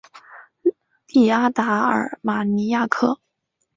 利阿达尔马尼亚克。